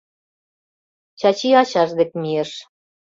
Чачи ачаж дек мийыш.